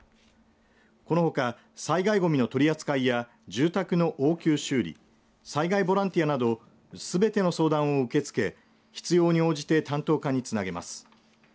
このほか災害ごみの取り扱いや住宅の応急修理災害ボランティアなどすべての相談を受け付け必要に応じて担当課につなげます。